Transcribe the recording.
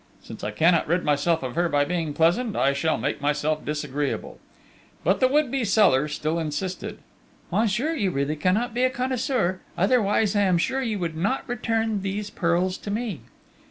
Since I cannot rid myself of her by being pleasant, I shall make myself disagreeable!" But the would be seller still insisted. "Monsieur, you really cannot be a connoisseur, otherwise I am sure you would not return these pearls to me."